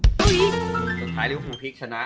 สุดท้ายลิเวฟูพลิกชนะ